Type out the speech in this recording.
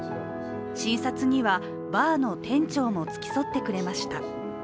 診察には、バーの店長も付き添ってくれました。